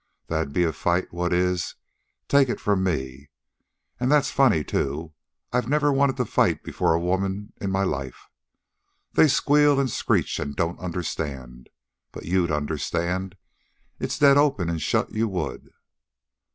That'd be a fight what is, take it from me. An' that's funny, too. I never wanted to fight before a woman in my life. They squeal and screech an' don't understand. But you'd understand. It's dead open an' shut you would."